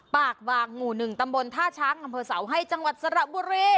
ปากวางหมู่หนึ่งตำบลท่าช้างอำเภอเสาให้จังหวัดสารบุรี